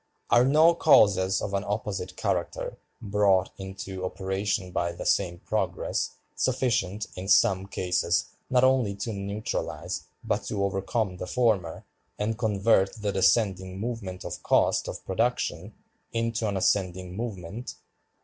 Are no causes of an opposite character, brought into operation by the same progress, sufficient in some cases not only to neutralize but to overcome the former, and convert the descending movement of cost of production into an ascending movement?